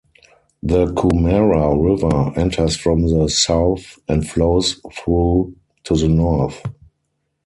The "Coomera River" enters from the south and flows through to the north.